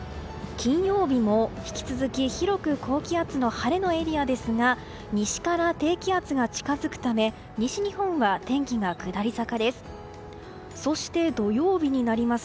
金曜日も引き続き広く高気圧の晴れのエリアですが西から低気圧が近づくため西日本は天気が下り坂です。